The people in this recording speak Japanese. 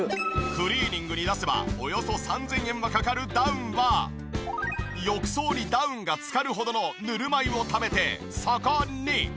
クリーニングに出せばおよそ３０００円はかかるダウンは浴槽にダウンがつかるほどのぬるま湯をためてそこに。